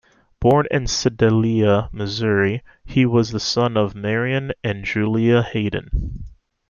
Born in Sedalia, Missouri, he was the son of Marion and Julia Hayden.